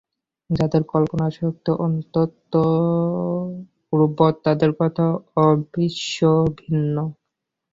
যাদের কল্পনাশক্তি অত্যন্ত উর্বর তাদের কথা অবশ্যি ভিন্ন।